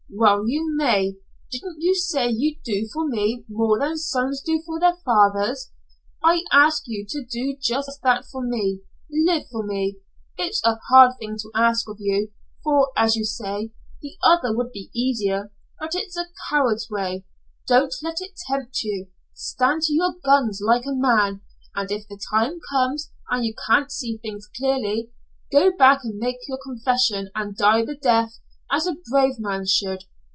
"Well, you may! Didn't you say you'd do for me more than sons do for their fathers? I ask you to do just that for me. Live for me. It's a hard thing to ask of you, for, as you say, the other would be easier, but it's a coward's way. Don't let it tempt you. Stand to your guns like a man, and if the time comes and you can't see things differently, go back and make your confession and die the death as a brave man should.